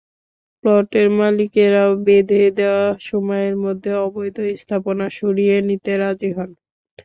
প্লটের মালিকেরাও বেঁধে দেওয়া সময়ের মধ্যে অবৈধ স্থাপনা সরিয়ে নিতে রাজি হন।